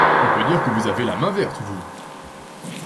On peut dire que vous avez la main verte, vous!